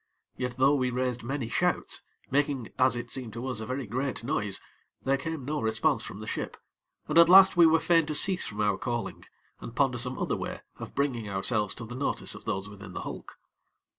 Yet though we raised many shouts, making as it seemed to us a very great noise, there came no response from the ship, and at last we were fain to cease from our calling, and ponder some other way of bringing ourselves to the notice of those within the hulk.